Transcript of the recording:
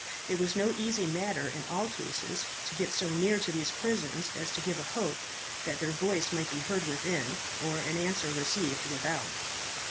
It was no easy matter in all cases to get so near to these prisons as to give a hope that their voice might be heard within, or an answer received without.